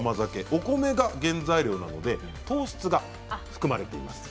お米が原材料なので糖質が含まれています。